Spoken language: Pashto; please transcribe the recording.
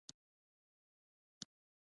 هر افغان باید یو نیالګی کینوي؟